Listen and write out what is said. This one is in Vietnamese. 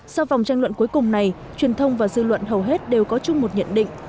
sau vòng tranh luận cuối cùng này truyền thông và dư luận hầu hết đều có chung một nhận định